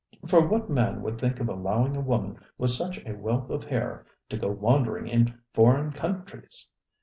For what man would think of allowing a woman with such a wealth of hair to go wandering in foreign countries?